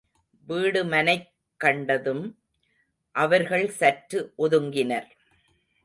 வீடுமனைக்கண்டதும் அவர்கள் சற்று ஒதுங்கினர்.